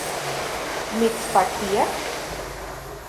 ¿Mitspaktia?